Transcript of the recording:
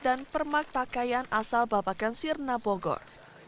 yang permak pakaian asal bapak kansir nabogor